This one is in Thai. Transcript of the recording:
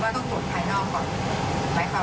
มีไบรัสแต่ว่าอย่าลืมว่าต้องตรวจภายนอกก่อน